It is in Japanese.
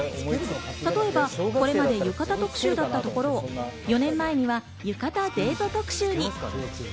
例えばこれまで浴衣特集だったところを４年前には浴衣デート特集に。